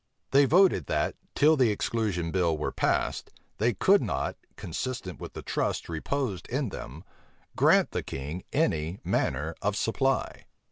They voted, that, till the exclusion bill were passed, they could not, consistent with the trust reposed in them, grant the king any manner of supply.